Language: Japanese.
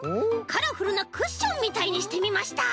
カラフルなクッションみたいにしてみました！